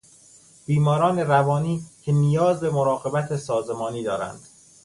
بیماران روانی که نیاز به مراقبت سازمانی دارند